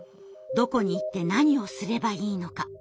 どこに行って何をすればいいのか？